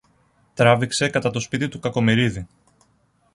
τράβηξε κατά το σπίτι του Κακομοιρίδη.